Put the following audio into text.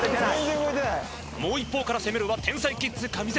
もう一方から攻めるは天才キッズ上関。